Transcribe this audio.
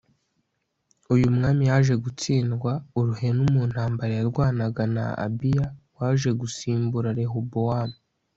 uyu mwami yaje gutsindwa uruhenu mu ntambara yarwanaga na Abiya waje gusimbura Rehobowamu